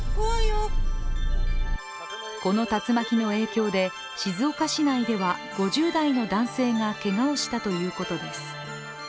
この竜巻の影響で静岡市内では５０代の男性がけがをしたということです。